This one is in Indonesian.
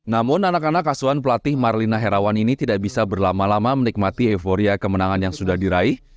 namun anak anak asuhan pelatih marlina herawan ini tidak bisa berlama lama menikmati euforia kemenangan yang sudah diraih